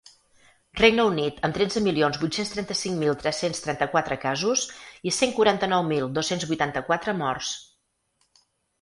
Regne Unit, amb tretze milions vuit-cents trenta-cinc mil tres-cents trenta-quatre casos i cent quaranta-nou mil dos-cents vuitanta-quatre morts.